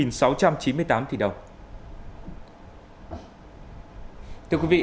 nga giai đông triều